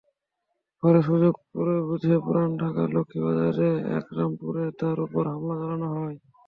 পরে সুযোগ বুঝে পুরান ঢাকার লক্ষ্মীবাজারের একরামপুরে তাঁর ওপর হামলা চালানো হয়।